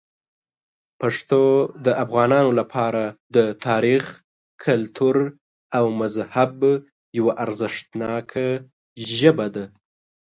پښتو د افغانانو لپاره د تاریخ، کلتور او مذهب یوه ارزښتناک ژبه ده.